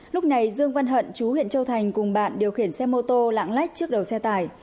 lúc này dương văn hận chú huyện châu thành cùng bạn điều khiển xe mô tô lạng lách trước đầu xe tải